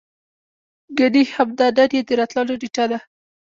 ګني همدا نن يې د راتللو نېټه ده.